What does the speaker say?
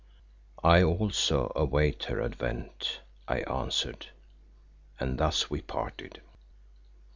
"I also await her advent," I answered, and thus we parted.